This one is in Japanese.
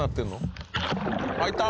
あっいた！